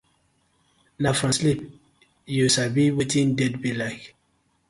Na from sleep yu sabi wetin death bi like.